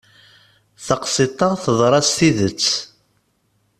Taqsiṭ-a teḍra s tidet.